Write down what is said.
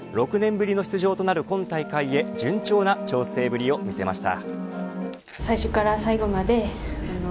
６年ぶりの出場となる今大会へ順調な調整ぶりを見せました。